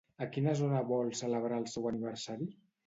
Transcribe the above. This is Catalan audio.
A quina zona vol celebrar el seu aniversari?